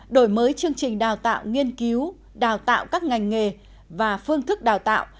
đổi mới chương trình đào tạo nghiên cứu đào tạo các ngành nghề và phương thức đào tạo